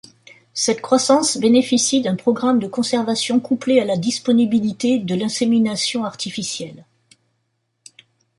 Cette croissance bénéficie d'un programme de conservation couplé à la disponibilité de l'insémination artificielle.